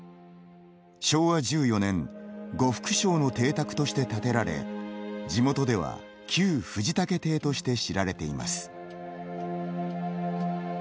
昭和１４年呉服商の邸宅として建てられ地元では旧藤武邸として知られています。